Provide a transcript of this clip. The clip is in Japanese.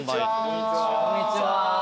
こんにちは。